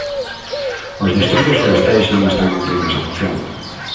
Os distritos forestais non están cumprindo esa función.